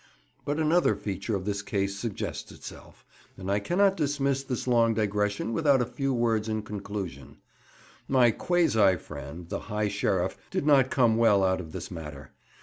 But another feature of this case suggests itself, and I cannot dismiss this long digression without a few words in conclusion. My quasi friend, the High Sheriff, did not come well out of this matter.